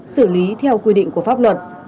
xử lý theo quy định của pháp luật